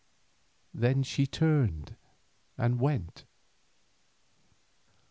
Then she turned and went.